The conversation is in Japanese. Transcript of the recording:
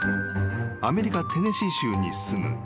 ［アメリカテネシー州に住む］